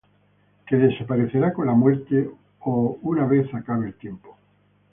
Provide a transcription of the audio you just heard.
Que desaparecerá con la muerte o una vez acabe el tiempo.